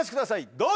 どうぞ！